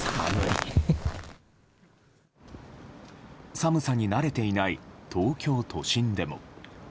寒さに慣れていない東京都心でも。